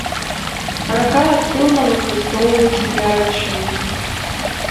Рака актыўна выкарыстоўваецца для арашэння.